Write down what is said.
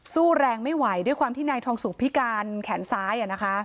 สู้แรงไม่ไหวด้วยความที่นายทองสุกพิการแขนซ้าย